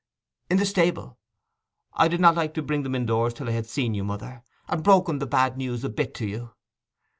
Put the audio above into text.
'In the stable. I did not like to bring them indoors till I had seen you, mother, and broken the bad news a bit to you.